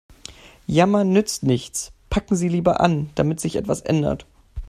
Jammern nützt nichts, packen Sie lieber an, damit sich etwas ändert.